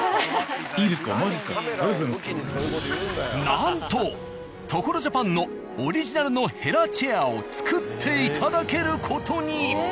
なんと「所ＪＡＰＡＮ」のオリジナルのヘラチェアを作っていただける事に。